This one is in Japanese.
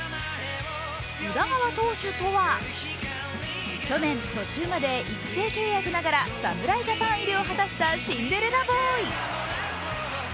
宇田川投手とは去年途中まで育成契約ながら侍ジャパン入りを果たしたシンデレラボーイ。